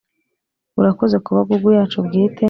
urakoze kuba google yacu bwite.